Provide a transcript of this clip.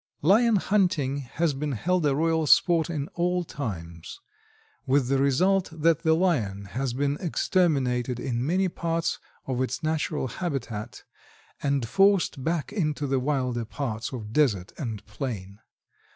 Lion hunting has been held a royal sport in all times, with the result that the Lion has been exterminated in many parts of its natural habitat and forced back into the wilder parts of desert and plain.